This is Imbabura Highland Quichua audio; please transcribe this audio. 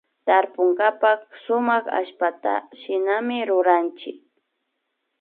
Tarpunkapak sumak allpataka shinami ruranchik